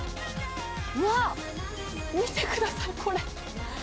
わっ、見てください、これ。